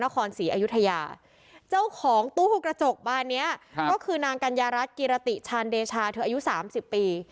ก็คือนางกัญญารักษ์กิราติชาณเดชาเธออายุ๓๐ปี